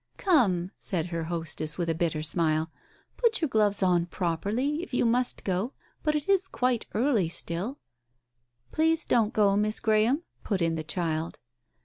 "Come! " said her hostess, with a bitter smile, "put your gloves on properly — if you must go — but it is quite early still." "Please don't go, Miss Graham," put in the child.